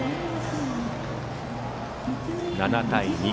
７対２。